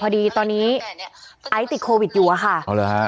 พอดีตอนนี้ไอซ์ติดโควิดอยู่อะค่ะเอาเหรอฮะ